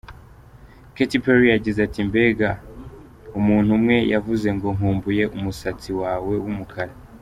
Katy Perry yagize ati "Mbega, umuntu umwe yavuze ngo, ’Nkumbuye umusatsi wawe w’umukara,’".